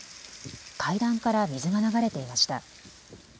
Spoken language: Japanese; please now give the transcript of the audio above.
階段から水が流れていました。